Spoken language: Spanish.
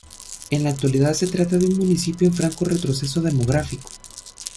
En la actualidad se trata de un municipio en franco retroceso demográfico.